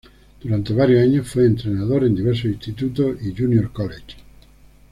Durante varios años fue entrenador en diversos institutos y "junior college".